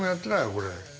これ。